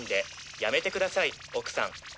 やめて下さい奥さん！